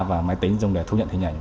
và máy tính dùng để thu nhận hình ảnh